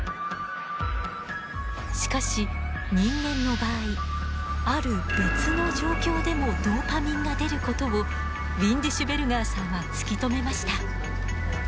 しかし人間の場合ある別の状況でもドーパミンが出ることをウィンディシュベルガーさんは突き止めました。